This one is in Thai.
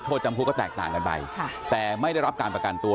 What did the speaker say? โทษจำคุกก็แตกต่างกันไปแต่ไม่ได้รับการประกันตัว